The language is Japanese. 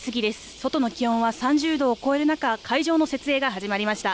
外の気温は３０度を超える中、会場の設営が始まりました。